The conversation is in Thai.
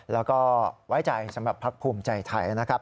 แล้วก็ไว้ใจสำหรับพักภูมิใจไทยนะครับ